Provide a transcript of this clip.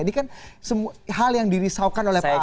ini kan hal yang dirisaukan oleh pak jokowi